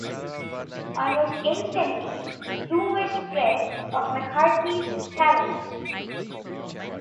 Almost instantly rumor spread of McCarty' talents.